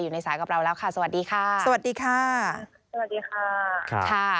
อยู่ในสายกับเราแล้วค่ะสวัสดีค่ะสวัสดีค่ะสวัสดีค่ะค่ะ